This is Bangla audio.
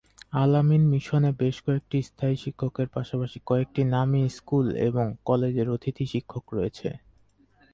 আল-আমিন মিশনে বেশ কয়েকটি স্থায়ী শিক্ষকের পাশাপাশি কয়েকটি নামী স্কুল এবং কলেজের অতিথি শিক্ষক রয়েছে।